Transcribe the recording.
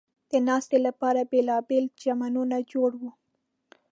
د ناستې لپاره بېلابېل چمنونه جوړ و.